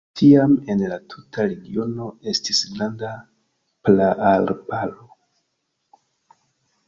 Tiam en la tuta regiono estis granda praarbaro.